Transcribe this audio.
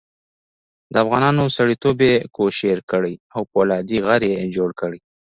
د افغانانو سړیتوب یې کوشیر کړی او فولادي غر یې جوړ کړی.